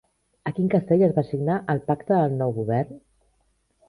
A quin castell es va signar el pacte del nou govern?